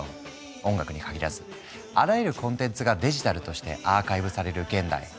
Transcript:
音楽に限らずあらゆるコンテンツがデジタルとしてアーカイブされる現代